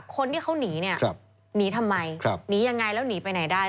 คนที่เขาหนีเนี่ยหนีทำไมหนียังไงแล้วหนีไปไหนได้